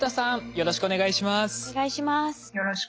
よろしくお願いします。